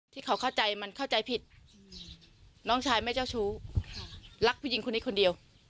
ที่เขาเข้าใจมันเข้าใจผิดน้องชายไม่เจ้าชู้รักผู้หญิงคนนี้คนเดียว